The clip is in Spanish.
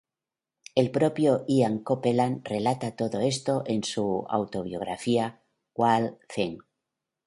El propio Ian Copeland relata todo esto en su autobiografía "Wild Thing".